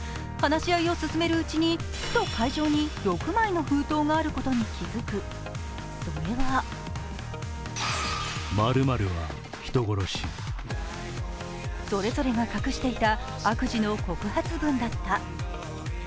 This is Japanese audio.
話し合いを進めるうちにふと会場に６枚の封筒があることに気づく、それはそれぞれが隠していた悪事の告発文だった。